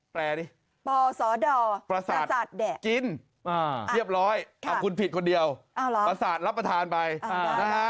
ดิปสดประสาทประสาทแดะกินเรียบร้อยเอาคุณผิดคนเดียวประสาทรับประทานไปนะฮะ